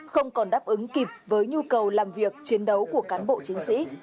không còn đáp ứng kịp với nhu cầu làm việc chiến đấu của cán bộ chiến sĩ